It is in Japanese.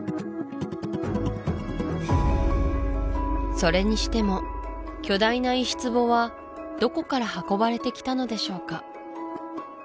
それにしても巨大な石壺はどこから運ばれてきたのでしょうか？